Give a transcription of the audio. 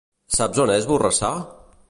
Saps on és Borrassà?